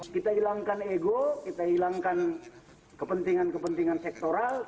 kita hilangkan ego kita hilangkan kepentingan kepentingan sektoral